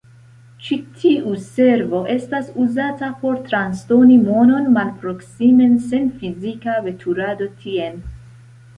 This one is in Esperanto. Ĉi tiu servo estas uzata por transdoni monon malproksimen sen fizika veturado tien.